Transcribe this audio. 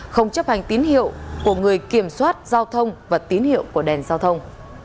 không chấp hành tín hiệu của người kiểm soát giao thông và tín hiệu của đèn giao thông